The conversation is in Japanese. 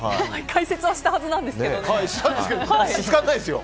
開設したはずなんですけどね。